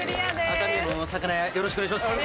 熱海の魚屋よろしくお願いします。